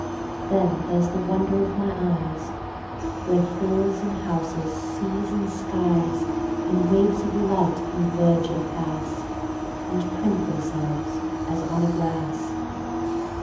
Then there's the wonder of my Eyes, Where hills and houses, seas and skies, In waves of light converge and pass, And print themselves as on a glass.